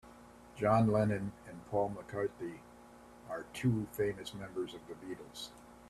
John Lennon and Paul McCartney are two famous members of the Beatles.